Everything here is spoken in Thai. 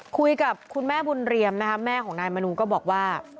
คุยกับคุณแม่บุญเรียมนะคะแม่ของนายมนูก็บอกว่า